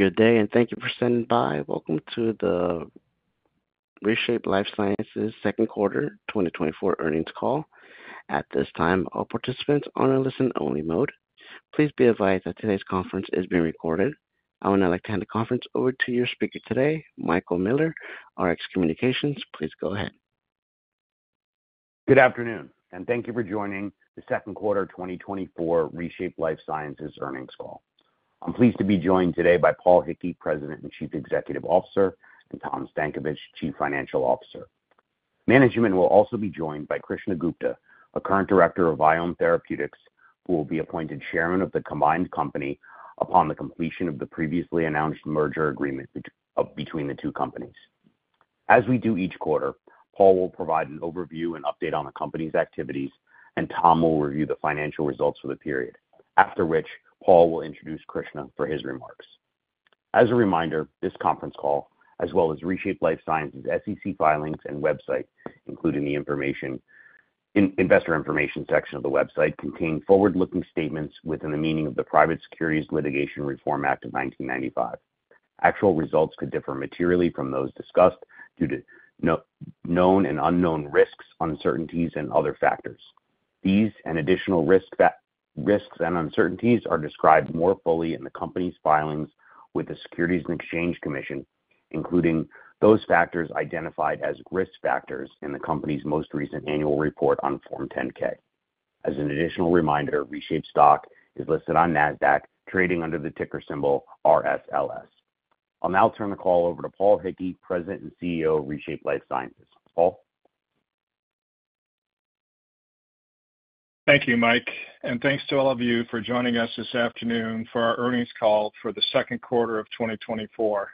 Good day, and thank you for standing by. Welcome to the ReShape Lifesciences second quarter 2024 earnings call. At this time, all participants are in a listen-only mode. Please be advised that today's conference is being recorded. I would now like to hand the conference over to your speaker today, Michael Miller, Rx Communications. Please go ahead. Good afternoon, and thank you for joining the second quarter 2024 ReShape Lifesciences earnings call. I'm pleased to be joined today by Paul Hickey, President and Chief Executive Officer, and Tom Stankovich, Chief Financial Officer. Management will also be joined by Krishna Gupta, a current director of Vyome Therapeutics, who will be appointed Chairman of the combined company upon the completion of the previously announced merger agreement between the two companies. As we do each quarter, Paul will provide an overview and update on the company's activities, and Tom will review the financial results for the period, after which Paul will introduce Krishna for his remarks. As a reminder, this conference call, as well as ReShape Lifesciences' SEC filings and website, including the information, investor information section of the website, contain forward-looking statements within the meaning of the Private Securities Litigation Reform Act of 1995. Actual results could differ materially from those discussed due to known and unknown risks, uncertainties, and other factors. These and additional risks and uncertainties are described more fully in the company's filings with the Securities and Exchange Commission, including those factors identified as risk factors in the company's most recent annual report on Form 10-K. As an additional reminder, ReShape stock is listed on Nasdaq, trading under the ticker symbol RSLS. I'll now turn the call over to Paul Hickey, President and CEO of ReShape Lifesciences. Paul? Thank you, Mike, and thanks to all of you for joining us this afternoon for our earnings call for the second quarter of 2024.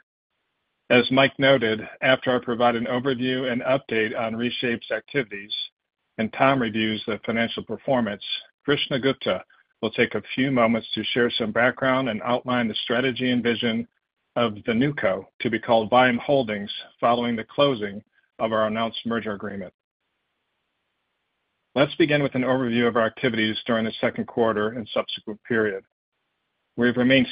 As Mike noted, after I provide an overview and update on ReShape's activities and Tom reviews the financial performance, Krishna Gupta will take a few moments to share some background and outline the strategy and vision of the NewCo, to be called Vyome Holdings, following the closing of our announced merger agreement. Let's begin with an overview of our activities during the second quarter and subsequent period. We've remained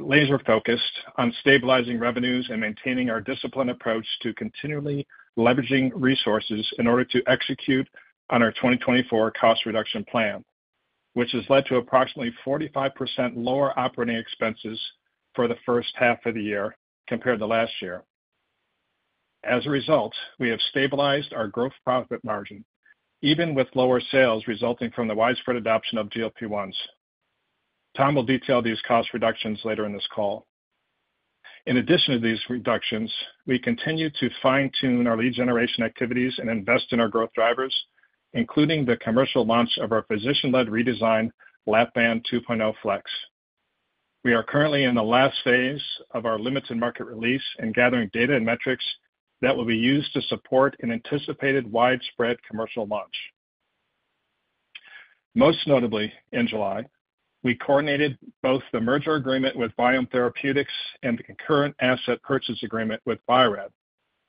laser focused on stabilizing revenues and maintaining our disciplined approach to continually leveraging resources in order to execute on our 2024 cost reduction plan, which has led to approximately 45% lower operating expenses for the first half of the year compared to last year. As a result, we have stabilized our gross profit margin, even with lower sales resulting from the widespread adoption of GLP-1s. Tom will detail these cost reductions later in this call. In addition to these reductions, we continue to fine-tune our lead generation activities and invest in our growth drivers, including the commercial launch of our physician-led redesign, Lap-Band 2.0 FLEX. We are currently in the last phase of our limited market release and gathering data and metrics that will be used to support an anticipated widespread commercial launch. Most notably, in July, we coordinated both the merger agreement with Vyome Therapeutics and the concurrent asset purchase agreement with Biorad,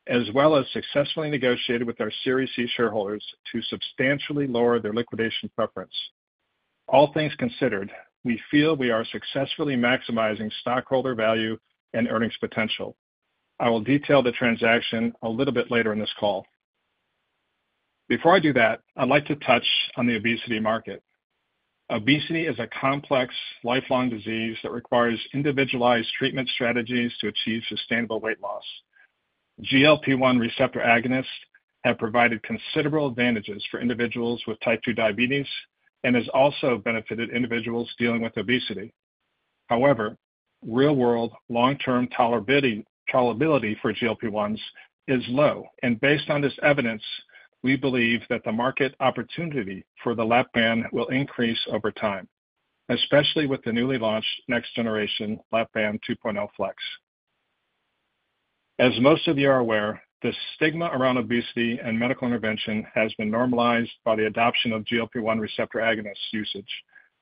as well as successfully negotiated with our Series C shareholders to substantially lower their liquidation preference. All things considered, we feel we are successfully maximizing stockholder value and earnings potential. I will detail the transaction a little bit later in this call. Before I do that, I'd like to touch on the obesity market. Obesity is a complex, lifelong disease that requires individualized treatment strategies to achieve sustainable weight loss. GLP-1 receptor agonists have provided considerable advantages for individuals with Type 2 diabetes and has also benefited individuals dealing with obesity. However, real-world long-term tolerability for GLP-1s is low, and based on this evidence, we believe that the market opportunity for the Lap-Band will increase over time, especially with the newly launched next generation Lap-Band 2.0 FLEX. As most of you are aware, the stigma around obesity and medical intervention has been normalized by the adoption of GLP-1 receptor agonist usage,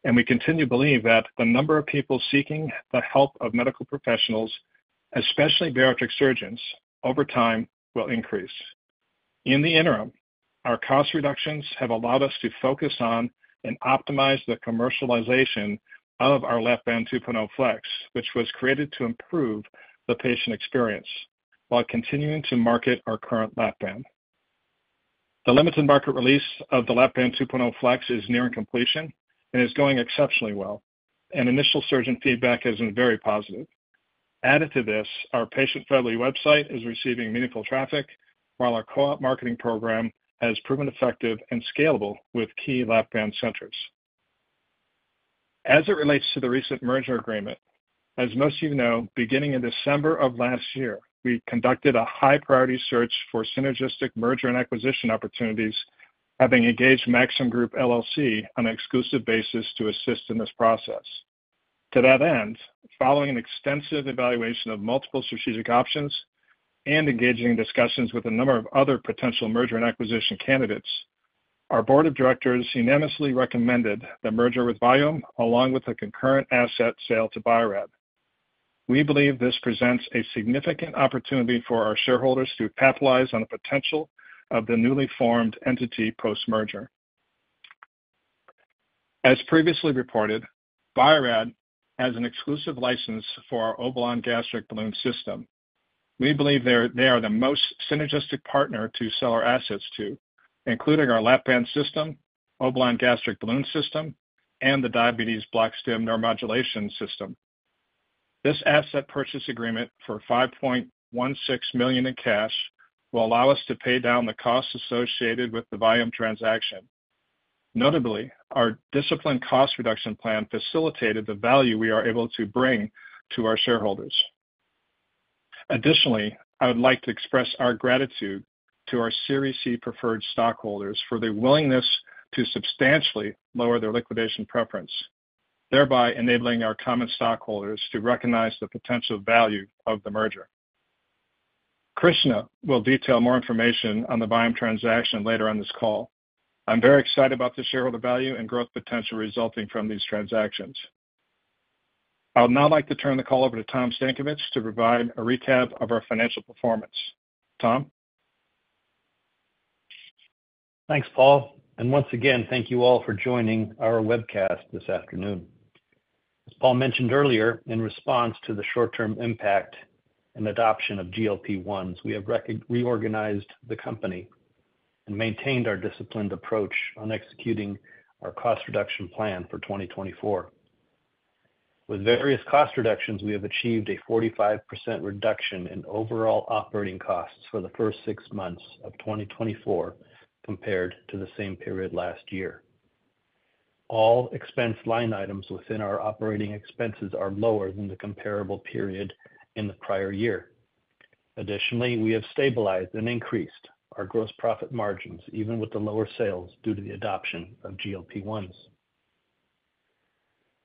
and we continue to believe that the number of people seeking the help of medical professionals, especially bariatric surgeons, over time, will increase. In the interim, our cost reductions have allowed us to focus on and optimize the commercialization of our Lap-Band 2.0 FLEX, which was created to improve the patient experience while continuing to market our current Lap-Band. The limited market release of the Lap-Band 2.0 FLEX is nearing completion and is going exceptionally well, and initial surgeon feedback has been very positive. Added to this, our patient-friendly website is receiving meaningful traffic, while our co-op marketing program has proven effective and scalable with key Lap-Band centers. As it relates to the recent merger agreement, as most of you know, beginning in December of last year, we conducted a high-priority search for synergistic merger and acquisition opportunities, having engaged Maxim Group LLC on an exclusive basis to assist in this process. To that end, following an extensive evaluation of multiple strategic options and engaging in discussions with a number of other potential merger and acquisition candidates, our board of directors unanimously recommended the merger with Vyome, along with a concurrent asset sale to Biorad. We believe this presents a significant opportunity for our shareholders to capitalize on the potential of the newly formed entity post-merger. As previously reported, Biorad has an exclusive license for our Obalon gastric balloon system. We believe they are, they are the most synergistic partner to sell our assets to, including our Lap-Band system, Obalon gastric balloon system, and the Diabetes Bloc-Stim Neuromodulation system. This asset purchase agreement for $5.16 million in cash will allow us to pay down the costs associated with the Vyome transaction. Notably, our disciplined cost reduction plan facilitated the value we are able to bring to our shareholders. Additionally, I would like to express our gratitude to our Series C preferred stockholders for their willingness to substantially lower their liquidation preference, thereby enabling our common stockholders to recognize the potential value of the merger. Krishna will detail more information on the Vyome transaction later on this call. I'm very excited about the shareholder value and growth potential resulting from these transactions. I would now like to turn the call over to Tom Stankovich to provide a recap of our financial performance. Tom? Thanks, Paul, and once again, thank you all for joining our webcast this afternoon. As Paul mentioned earlier, in response to the short-term impact and adoption of GLP-1s, we have reorganized the company and maintained our disciplined approach on executing our cost reduction plan for 2024. With various cost reductions, we have achieved a 45% reduction in overall operating costs for the first six months of 2024, compared to the same period last year. All expense line items within our operating expenses are lower than the comparable period in the prior year. Additionally, we have stabilized and increased our gross profit margins, even with the lower sales, due to the adoption of GLP-1s.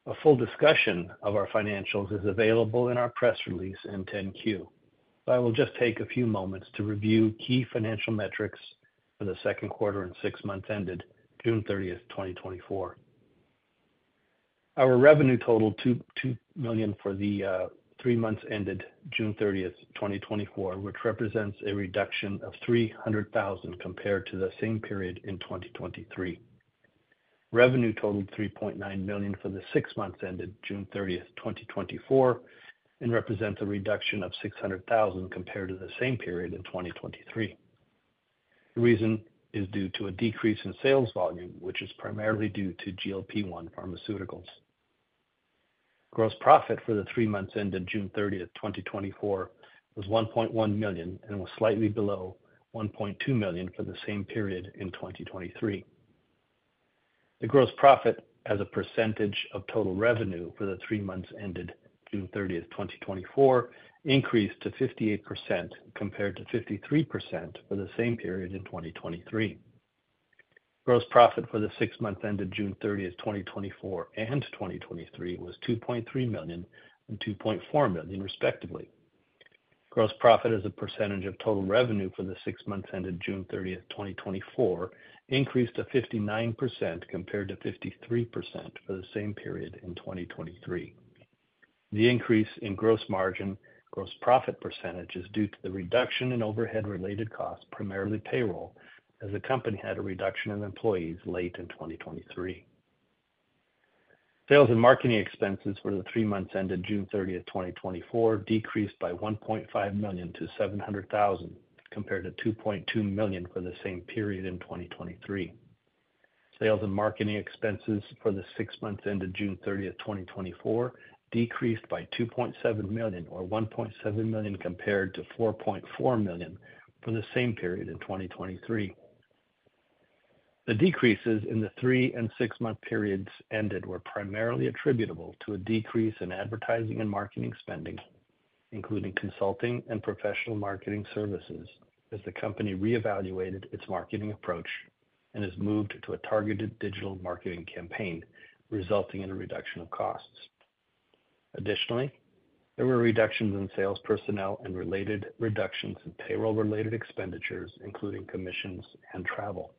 A full discussion of our financials is available in our press release and 10-Q. I will just take a few moments to review key financial metrics for the second quarter and six months ended June 30, 2024. Our revenue totaled $2.2 million for the three months ended June 30, 2024, which represents a reduction of $300,000 compared to the same period in 2023. Revenue totaled $3.9 million for the six months ended June 30, 2024, and represents a reduction of $600,000 compared to the same period in 2023. The reason is due to a decrease in sales volume, which is primarily due to GLP-1 pharmaceuticals. Gross profit for the three months ended June 30, 2024, was $1.1 million, and was slightly below $1.2 million for the same period in 2023. The gross profit as a percentage of total revenue for the three months ended June 30, 2024, increased to 58%, compared to 53% for the same period in 2023. Gross profit for the six months ended June 30, 2024 and 2023, was $2.3 million and $2.4 million, respectively. Gross profit as a percentage of total revenue for the six months ended June 30, 2024, increased to 59%, compared to 53% for the same period in 2023. The increase in gross margin, gross profit percentage, is due to the reduction in overhead-related costs, primarily payroll, as the company had a reduction in employees late in 2023. Sales and marketing expenses for the three months ended June 30, 2024, decreased by $1.5 million to $700,000, compared to $2.2 million for the same period in 2023. Sales and marketing expenses for the six months ended June 30, 2024, decreased by $2.7 million, or $1.7 million, compared to $4.4 million for the same period in 2023. The decreases in the three- and six-month periods ended were primarily attributable to a decrease in advertising and marketing spending, including consulting and professional marketing services, as the company re-evaluated its marketing approach and has moved to a targeted digital marketing campaign, resulting in a reduction of costs. Additionally, there were reductions in sales personnel and related reductions in payroll-related expenditures, including commissions and travel.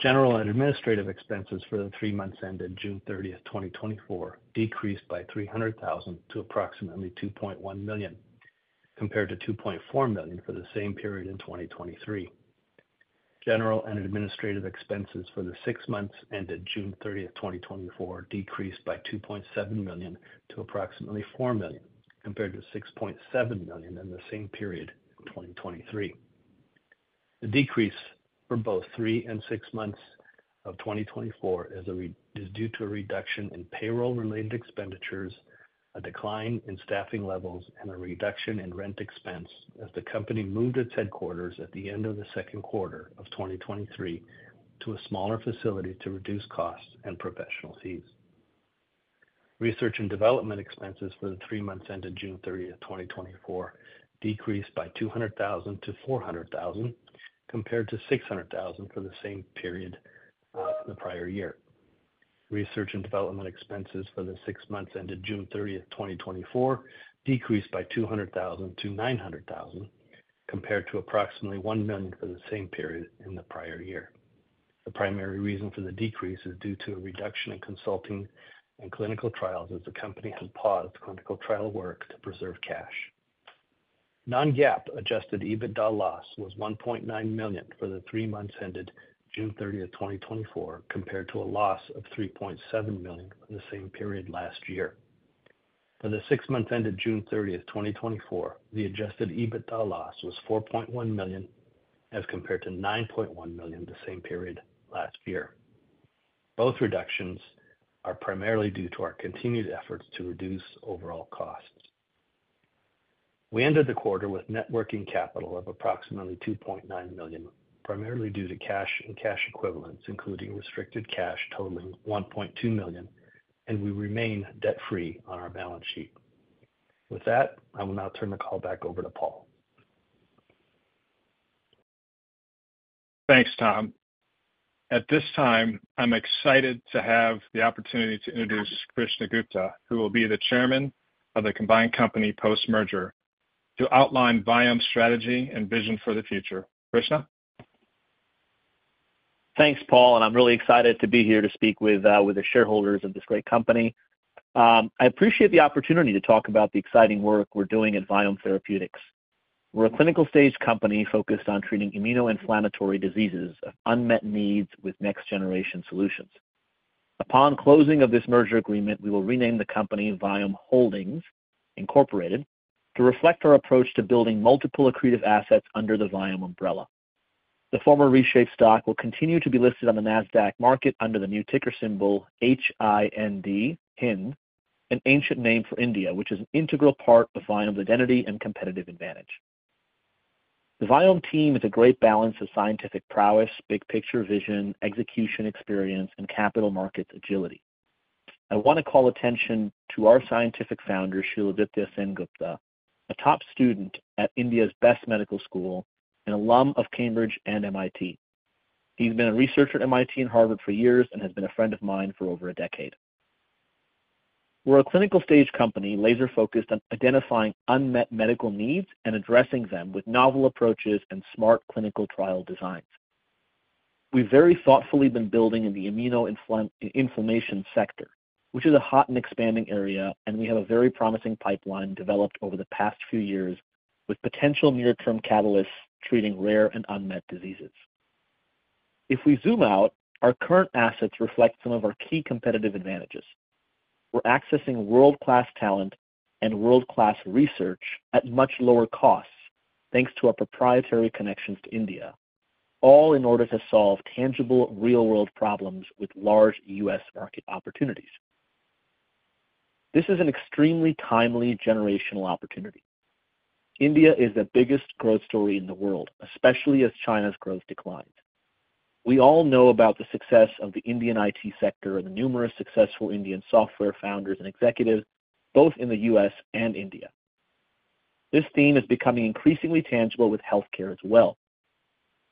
General and administrative expenses for the three months ended June 30, 2024, decreased by $300,000 to approximately $2.1 million, compared to $2.4 million for the same period in 2023. General and administrative expenses for the six months ended June 30, 2024, decreased by $2.7 million to approximately $4 million, compared to $6.7 million in the same period in 2023. The decrease for both three and six months of 2024 is due to a reduction in payroll-related expenditures, a decline in staffing levels, and a reduction in rent expense as the company moved its headquarters at the end of the second quarter of 2023 to a smaller facility to reduce costs and professional fees. Research and development expenses for the three months ended June 30, 2024, decreased by $200,000 to $400,000, compared to $600,000 for the same period, the prior year. Research and development expenses for the six months ended June 30, 2024, decreased by $200,000 to $900,000, compared to approximately $1 million for the same period in the prior year. The primary reason for the decrease is due to a reduction in consulting and clinical trials, as the company has paused clinical trial work to preserve cash. Non-GAAP adjusted EBITDA loss was $1.9 million for the three months ended June 30, 2024, compared to a loss of $3.7 million in the same period last year. For the six months ended June 30, 2024, the Adjusted EBITDA loss was $4.1 million, as compared to $9.1 million the same period last year. Both reductions are primarily due to our continued efforts to reduce overall costs. We ended the quarter with net working capital of approximately $2.9 million, primarily due to cash and cash equivalents, including restricted cash totaling $1.2 million, and we remain debt-free on our balance sheet. With that, I will now turn the call back over to Paul. Thanks, Tom. At this time, I'm excited to have the opportunity to introduce Krishna Gupta, who will be the chairman of the combined company post-merger, to outline Vyome's strategy and vision for the future. Krishna? Thanks, Paul, and I'm really excited to be here to speak with with the shareholders of this great company. I appreciate the opportunity to talk about the exciting work we're doing at Vyome Therapeutics. We're a clinical-stage company focused on treating immunoinflammatory diseases of unmet needs with next-generation solutions. Upon closing of this merger agreement, we will rename the company Vyome Holdings, Incorporated, to reflect our approach to building multiple accretive assets under the Vyome umbrella. The former ReShape stock will continue to be listed on the Nasdaq market under the new ticker symbol H-I-N-D, Hind, an ancient name for India, which is an integral part of Vyome's identity and competitive advantage. The Vyome team is a great balance of scientific prowess, big picture vision, execution experience, and capital markets agility. I want to call attention to our scientific founder, Shiladitya Sengupta, a top student at India's best medical school, an alum of Cambridge and MIT. He's been a researcher at MIT and Harvard for years and has been a friend of mine for over a decade. We're a clinical-stage company, laser-focused on identifying unmet medical needs and addressing them with novel approaches and smart clinical trial designs. We've very thoughtfully been building in the immunoinflammatory sector, which is a hot and expanding area, and we have a very promising pipeline developed over the past few years, with potential near-term catalysts treating rare and unmet diseases. If we zoom out, our current assets reflect some of our key competitive advantages. We're accessing world-class talent and world-class research at much lower costs, thanks to our proprietary connections to India, all in order to solve tangible, real-world problems with large U.S. market opportunities. This is an extremely timely generational opportunity. India is the biggest growth story in the world, especially as China's growth declines. We all know about the success of the Indian IT sector and the numerous successful Indian software founders and executives, both in the U.S. and India. This theme is becoming increasingly tangible with healthcare as well.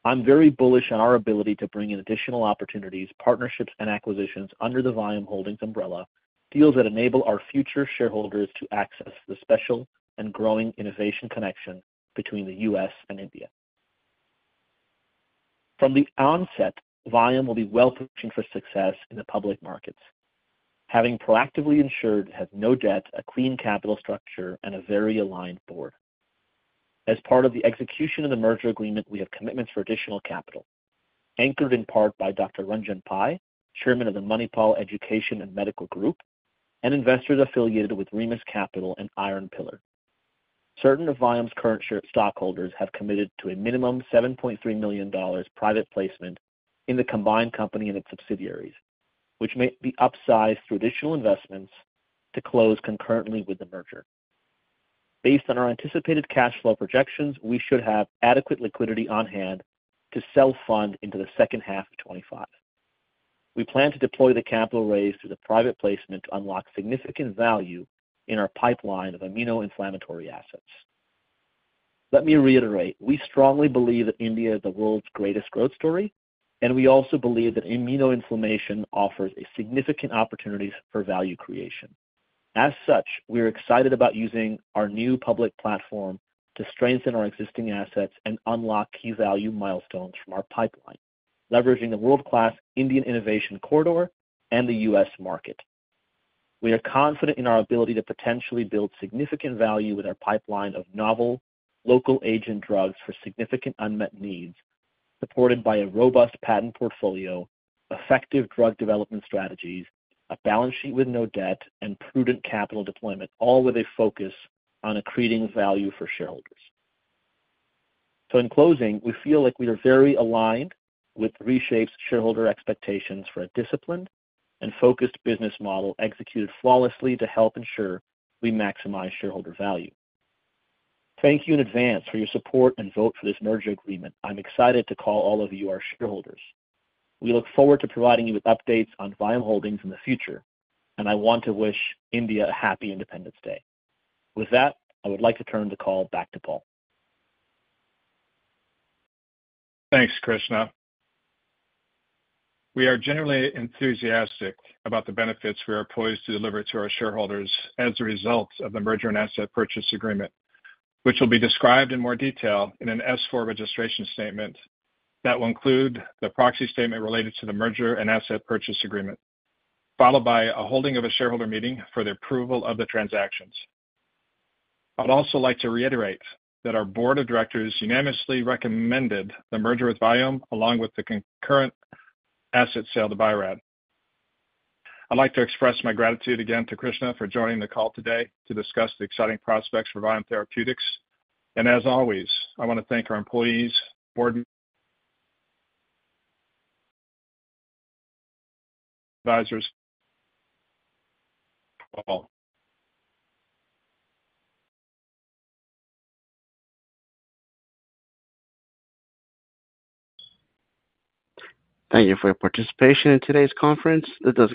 I'm very bullish on our ability to bring in additional opportunities, partnerships, and acquisitions under the Vyome Holdings umbrella, deals that enable our future shareholders to access the special and growing innovation connection between the U.S. and India. From the onset, Vyome will be well positioned for success in the public markets, having proactively ensured it has no debt, a clean capital structure, and a very aligned board. As part of the execution of the merger agreement, we have commitments for additional capital, anchored in part by Dr. Ranjan Pai, Chairman of the Manipal Education and Medical Group, and investors affiliated with Remus Capital and Iron Pillar. Certain of Vyome's current shareholders have committed to a minimum $7.3 million private placement in the combined company and its subsidiaries, which may be upsized through additional investments to close concurrently with the merger. Based on our anticipated cash flow projections, we should have adequate liquidity on hand to self-fund into the second half of 2025. We plan to deploy the capital raised through the private placement to unlock significant value in our pipeline of immunoinflammatory assets. Let me reiterate, we strongly believe that India is the world's greatest growth story, and we also believe that immunoinflammatory offers a significant opportunities for value creation. As such, we are excited about using our new public platform to strengthen our existing assets and unlock key value milestones from our pipeline, leveraging the world-class Indian innovation corridor and the U.S. market. We are confident in our ability to potentially build significant value with our pipeline of novel, local agent drugs for significant unmet needs, supported by a robust patent portfolio, effective drug development strategies, a balance sheet with no debt, and prudent capital deployment, all with a focus on accreting value for shareholders. So in closing, we feel like we are very aligned with ReShape's shareholder expectations for a disciplined and focused business model, executed flawlessly to help ensure we maximize shareholder value. Thank you in advance for your support and vote for this merger agreement. I'm excited to call all of you our shareholders. We look forward to providing you with updates on Vyome Holdings in the future, and I want to wish India a happy Independence Day. With that, I would like to turn the call back to Paul. Thanks, Krishna. We are generally enthusiastic about the benefits we are poised to deliver to our shareholders as a result of the merger and asset purchase agreement, which will be described in more detail in an S-4 registration statement that will include the proxy statement related to the merger and asset purchase agreement, followed by a holding of a shareholder meeting for the approval of the transactions. I would also like to reiterate that our board of directors unanimously recommended the merger with Vyome, along with the concurrent asset sale to Biorad. I'd like to express my gratitude again to Krishna for joining the call today to discuss the exciting prospects for Vyome Therapeutics. As always, I want to thank our employees, board advisors. Paul. Thank you for your participation in today's conference. That does conclude-